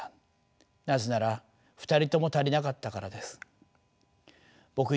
なぜなら２人とも足りなかったからです。